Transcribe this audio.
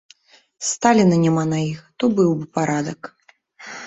Сталіна няма на іх, то быў бы парадак.